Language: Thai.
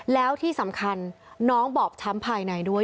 แล้วที่สำคัญน้องบอบช้ำภายในด้วย